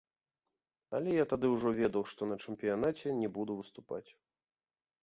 Але я тады ўжо ведаў, што на чэмпіянаце не буду выступаць.